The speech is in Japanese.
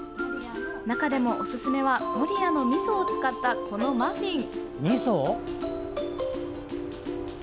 中でもおすすめは守谷のみそを使ったこのマフィン。